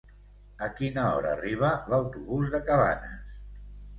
A quina hora arriba l'autobús de Cabanes?